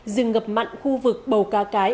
rừng ngập mặn khu vực bầu ca cái